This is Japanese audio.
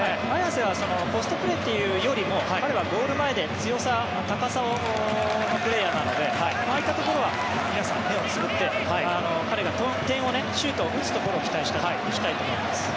綺世はポストプレーというよりも彼はゴール前で強さ、高さのあるプレーヤーなのでああいったところは目をつむって彼がシュートを打つところを期待したいと思います。